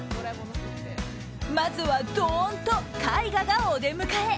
まずは、ドーンと絵画がお出迎え。